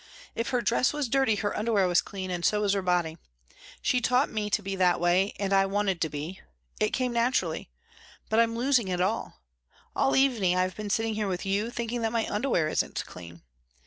If her dress was dirty her underwear was clean and so was her body. She taught me to be that way and I wanted to be. It came naturally. But I'm losing it all. All evening I have been sitting here with you thinking that my underwear isn't clean.